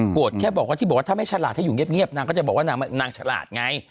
โกรธแค่บอกว่าถ้าไม่ฉลาดถ้าอยู่เงียบนางก็จะบอกว่านางนางฉลาดไง